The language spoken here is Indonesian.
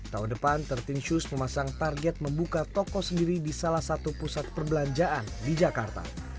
tahun depan tiga belas shoes memasang target membuka toko sendiri di salah satu pusat perbelanjaan di jakarta